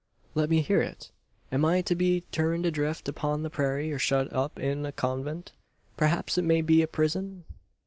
"Let me hear it! Am I to be turned adrift upon the prairie, or shut up in a convent? Perhaps it may be a prison?"